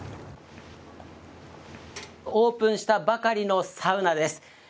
オープンしたばかりのサウナです。